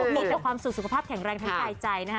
มีแต่ความสุขสุขภาพแข็งแรงทั้งกายใจนะฮะ